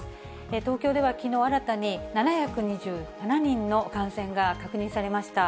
東京ではきのう新たに７２７人の感染が確認されました。